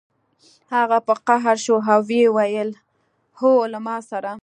هغه په قهر شو او ویې ویل هو له ما سره